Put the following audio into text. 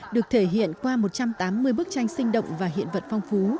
được thể hiện qua một trăm tám mươi bức tranh sinh động và hiện vật phong phú